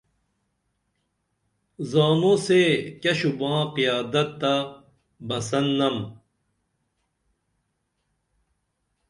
زانو سے کیہ شوباں قیادت تہ بسن نم